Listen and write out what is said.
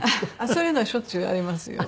そういうのはしょっちゅうありますよ。